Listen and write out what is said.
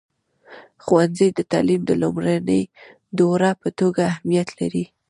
ښوونځی د تعلیم د لومړني دور په توګه اهمیت لري.